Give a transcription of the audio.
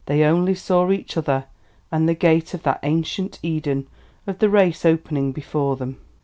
They only saw each other and the gate of that ancient Eden of the race opening before them.